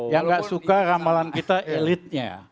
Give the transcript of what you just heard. yang gak suka ramalan kita elitnya